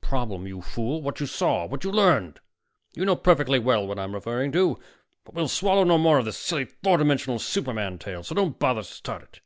The problem, you fool, what you saw, what you learned; you know perfectly well what I'm referring to. But we'll swallow no more of this silly four dimensional superman tale, so don't bother to start it."